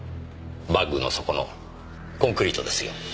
バッグの底のコンクリートですよ。